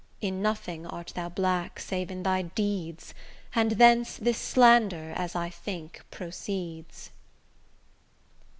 In nothing art thou black save in thy deeds, And thence this slander, as I think, proceeds.